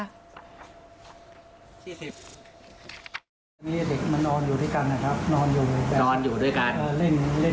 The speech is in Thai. นี่เด็กมันนอนอยู่ด้วยกันนะครับนอนอยู่ด้วยกัน